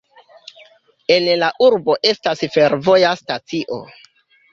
En la urbo estas fervoja stacio.